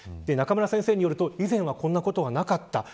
中村先生によると以前は、こんなことはなかった。